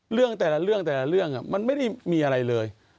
เรื่องแต่ละเรื่องมันไม่ได้มีอะไรเลย